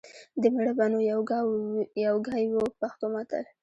د مېړه به نو یو ګای و . پښتو متل